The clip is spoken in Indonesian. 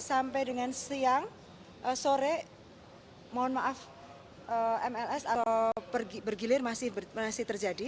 sampai dengan siang sore mohon maaf mls atau bergilir masih terjadi